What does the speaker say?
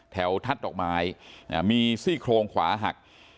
แถวทัศน์ดอกไม้มีซี่โครงขวาหัก